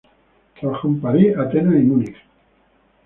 Trabajó en París, Atenas y Múnich.